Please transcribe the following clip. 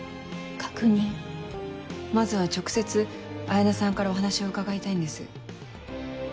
まずは直接彩菜さんからお話を伺いたいんです。